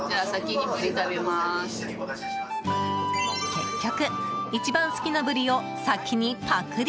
結局、一番好きなブリを先にパクリ。